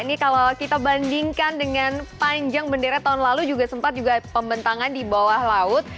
ini kalau kita bandingkan dengan panjang bendera tahun lalu juga sempat juga pembentangan di bawah laut